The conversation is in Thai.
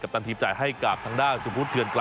กับตันทีมจ่ายให้กลับทางด้านสมมุติ